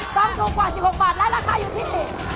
ต้องสูงกว่าอันที่๑๖บาทแล้วราคาอยู่ที่